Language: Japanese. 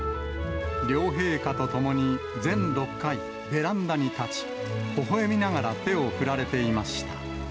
両陛下と共に、全６回、ベランダに立ち、ほほえみながら手を振られていました。